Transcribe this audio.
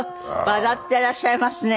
笑っていらっしゃいますね。